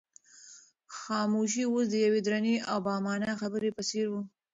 خاموشي اوس د یوې درنې او با مانا خبرې په څېر وه.